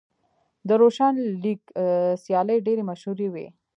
د روشن لیګ سیالۍ ډېرې مشهورې وې.